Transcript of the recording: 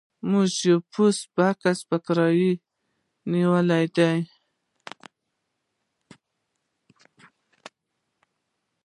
موږ یو پوسټ بکس په کرایه نیولی دی